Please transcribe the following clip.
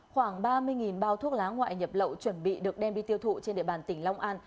khoảng ba mươi bao thuốc lá ngoại nhập lậu chuẩn bị được đem đi tiêu thụ trên địa bàn tỉnh long an